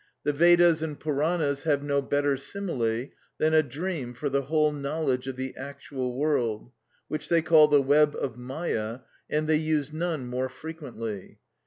The Vedas and Puranas have no better simile than a dream for the whole knowledge of the actual world, which they call the web of Mâyâ, and they use none more frequently.